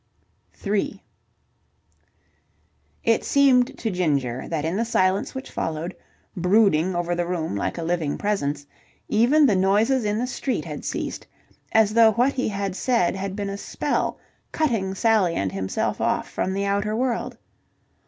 3 It seemed to Ginger that in the silence which followed, brooding over the room like a living presence, even the noises in the street had ceased, as though what he had said had been a spell cutting Sally and himself off from the outer world.